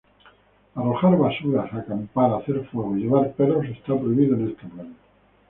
Arrojar basuras, acampar, hacer fuego y llevar perros está prohibido en esta playa.